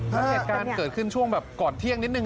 แล้วเหตุการณ์เกิดขึ้นช่วงแบบก่อนเที่ยงนิดนึ